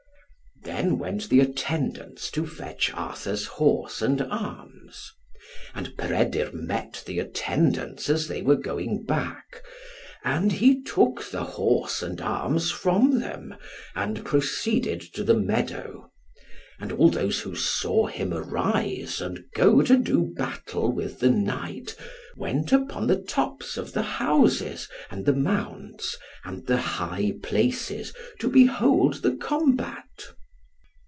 Then went the attendants to fetch Arthur's horse and arms. And Peredur met the attendants as they were going back, and he took the horse and arms from them, and proceeded to the meadow; and all those who saw him arise and go to do battle with the knight, went upon the tops of the houses, and the mounds, and the high places, to behold the combat.